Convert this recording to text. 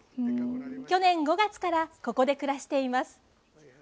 去年５月からここで暮らしています。